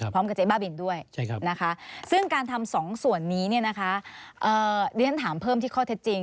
พร้อมกับเจ๊บ้าบินด้วยนะคะซึ่งการทำสองส่วนนี้เนี่ยนะคะ